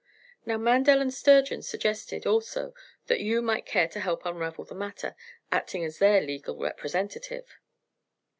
"Now, Mandel & Sturgeon suggested, also, that you might care to help unravel the matter, acting as their legal representative.